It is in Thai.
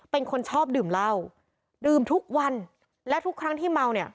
เป็นคนชอบดื่มเหล้าดื่มทุกวันและทุกครั้งที่เมาเนี่ย